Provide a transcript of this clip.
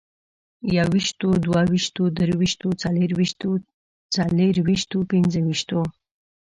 يوويشتو، دوه ويشتو، درويشتو، څلرويشتو، څلورويشتو، پنځه ويشتو